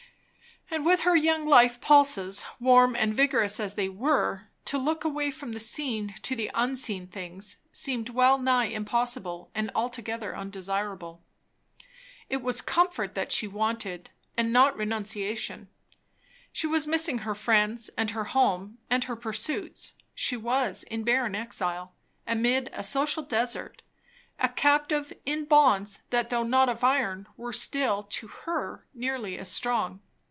And with her young life pulses, warm and vigorous as they were, to look away from the seen to the unseen things seemed well nigh impossible and altogether undesirable. It was comfort that she wanted, and not renunciation. She was missing her friends and her home and her pursuits; she was in barren exile, amid a social desert; a captive in bonds that though not of iron were still, to her, nearly as strong.